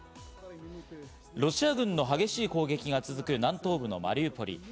ロシア軍の激しい攻撃が続く南東部のマリウポリ。